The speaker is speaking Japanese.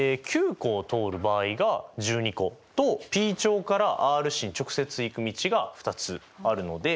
湖を通る場合が１２個とＰ町からＲ市に直接行く道が２つあるので。